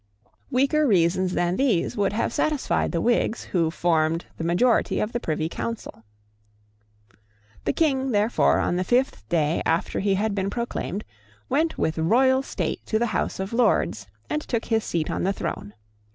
Weaker reasons than these would have satisfied the Whigs who formed the majority of the Privy Council. The King therefore, on the fifth day after he had been proclaimed, went with royal state to the House of Lords, and took his seat on the throne.